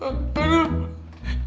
angin jadi gemuk